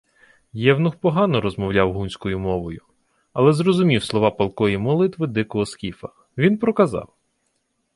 Євнух погано розмовляв гунською мовою, але зрозумів слова палкої молитви дикого скіфа. Він проказав: